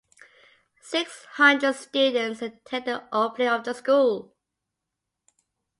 Six hundred students attended the opening of the school.